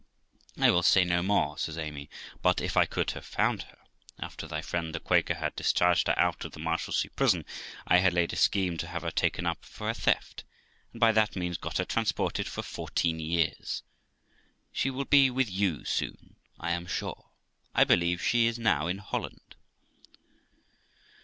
'I will say no more', says Amy; 'but if I could have found her, after thy friend the Quaker had discharged her out of the Marshalsea prison, I had laid a scheme to have her taken up for a theft, and by that means got her transported for fourteen years. She will be with you soon, I am sure; I believe she is now in Holland.'